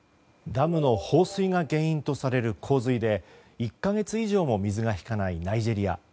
ダムの放水が原因とされる洪水で１か月以上も水が引かないナイジェリア。